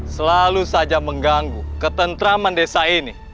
selalu saja mengganggu ketentraman desa ini